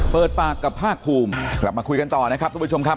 เปิดปากกับภาคภูมิกลับมาคุยกันต่อนะครับทุกผู้ชมครับ